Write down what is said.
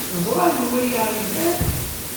Teẓra anwa ay aɣ-ilan.